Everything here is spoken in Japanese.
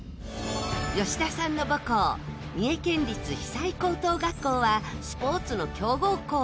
吉田さんの母校三重県立久居高等学校はスポーツの強豪校。